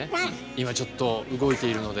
今ちょっと動いているので。